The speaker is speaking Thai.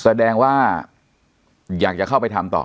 แสดงว่าอยากจะเข้าไปทำต่อ